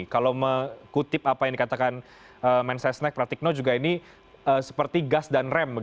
kalau mengutip apa yang dikatakan mensesnek pratikno juga ini seperti gas dan rem